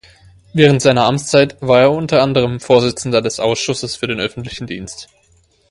Während seiner Amtszeit war er unter anderem Vorsitzender des Ausschusses für den öffentlichen Dienst.